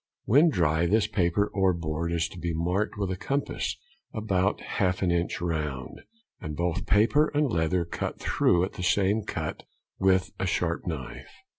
When dry, this paper or board is to be marked with a compass about half an inch round, and both paper and leather cut through at the same cut with a sharp knife.